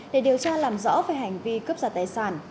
để điều tra làm rõ về hành vi cướp giật tài sản